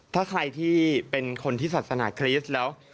ถ้าใครที่เป็นคนที่ศาสนาคริสต์แล้ว